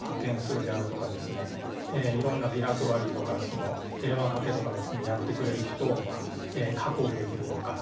いろんなビラ配りとか電話かけとかですねやってくれる人を確保できるとか。